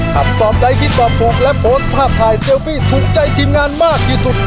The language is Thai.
คำตอบใดที่ตอบถูกและโพสต์ภาพถ่ายเซลฟี่ถูกใจทีมงานมากที่สุด